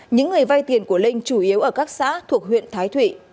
những người vay tiền của linh chủ yếu ở các xã thuộc huyện thái thụy